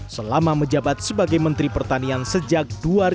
selama menjabat sebagai menteri pertanian sejak dua ribu dua